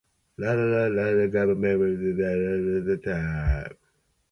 Everett has a mayor-council form of government, where the mayor serves a four-year term.